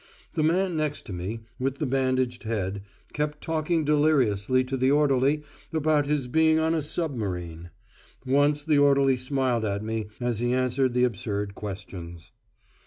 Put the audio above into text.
The man next to me, with the bandaged head, kept talking deliriously to the orderly about his being on a submarine. Once the orderly smiled at me as he answered the absurd questions.